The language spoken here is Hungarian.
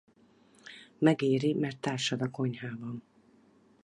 Megéri mert társad a konyhában.